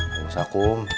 nggak usah kom